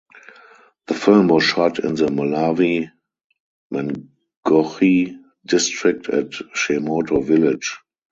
The film was shot in the Malawi Mangochi District at Che Moto Village.